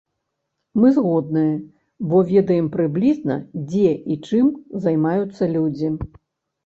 Мы згодныя, бо ведаем прыблізна, дзе і чым займаюцца людзі.